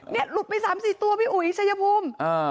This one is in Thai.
นี่หลุดไป๓๔ตัวพี่อุ๋ยชายภูมิ